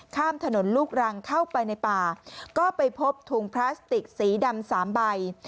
ข้ามถนนลูกรังเข้าไปในป่าก็ไปพบถุงพลาสติกสีดำสามใบ